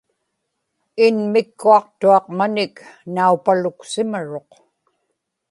inmikkuaqtuaq manik naupaluksimaruq